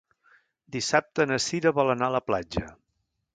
Dissabte na Sira vol anar a la platja.